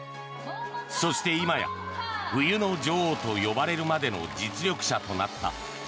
そして今や冬の女王と呼ばれるまでの実力者となった。